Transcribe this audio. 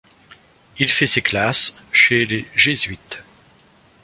Il fait ses classes chez les Jésuites.